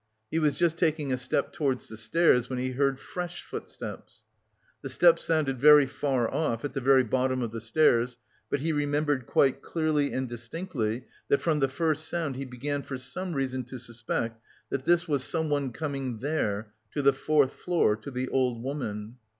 He was just taking a step towards the stairs when he heard fresh footsteps. The steps sounded very far off, at the very bottom of the stairs, but he remembered quite clearly and distinctly that from the first sound he began for some reason to suspect that this was someone coming there, to the fourth floor, to the old woman.